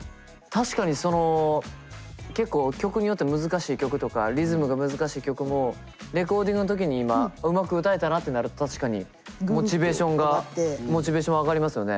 確かにその結構曲によっては難しい曲とかリズムが難しい曲もレコーディングの時に今うまく歌えたなってなると確かにモチベーションがモチベーション上がりますよね。